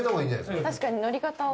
確かに乗り方を。